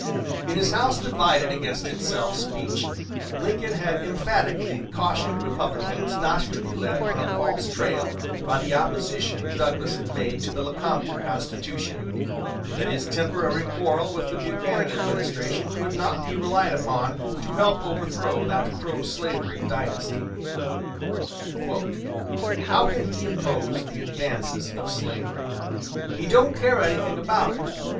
In his "House divided against itself" speech, Lincoln had emphatically cautioned Republicans not to be led on a false trail by the opposition Douglas had made to the Lecompton Constitution; that his temporary quarrel with the Buchanan administration could not be relied upon to help overthrow that pro slavery dynasty. "How can he oppose the advances of slavery? He don't care anything about it.